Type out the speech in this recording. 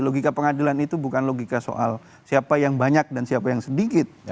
logika pengadilan itu bukan logika soal siapa yang banyak dan siapa yang sedikit